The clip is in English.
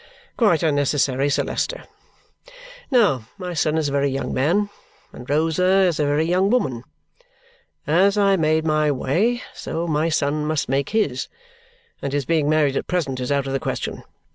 "Quite unnecessary, Sir Leicester. Now, my son is a very young man, and Rosa is a very young woman. As I made my way, so my son must make his; and his being married at present is out of the question.